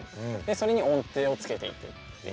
それに音程をつけていってるっていう。